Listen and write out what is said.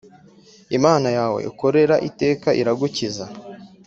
imana yawe ukorera iteka iragukiza